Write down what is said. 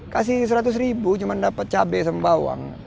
kasih seratus ribu cuma dapat cabai sama bawang